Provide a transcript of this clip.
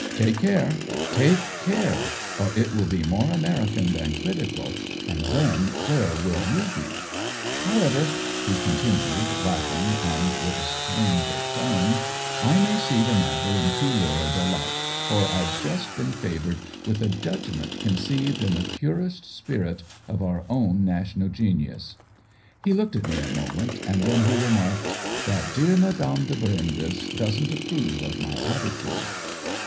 " Take care, take care, or it will be more American than critical, and then where will you be ? However," he continued, laughing and with a change of tone, " I may see the matter in too lurid a light, for Tve just been favored with a judgment conceived in the purest spirit of our own national genius." He looked at me a moment and then he re marked, "That dear Madame de Brindes doesn't approve of my attitude."